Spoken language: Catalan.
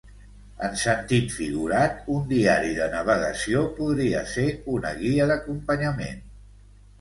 En sentit figurat, un diari de navegació podria ser una guia d'acompanyament.